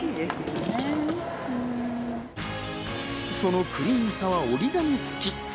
そのクリーンさは折り紙つき。